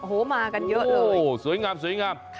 โหมากันเยอะเลยโหสวยงาม